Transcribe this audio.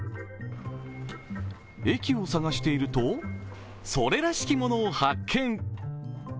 駅を探していると、それらしきものを発見。